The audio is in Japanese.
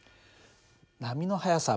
波の速さυ＝